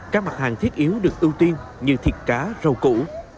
các mặt hàng thiết yếu được ưu tiên như thịt cá rau củ